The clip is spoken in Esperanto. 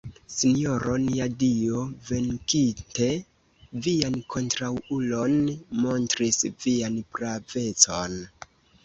Sinjoro nia Dio, venkinte vian kontraŭulon, montris vian pravecon.